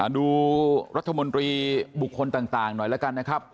ดูรัฐมนตรีบุคคลต่างหน่อยแล้วกันนะครับ